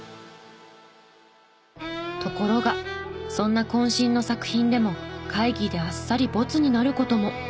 ところがそんな渾身の作品でも会議であっさりボツになる事も。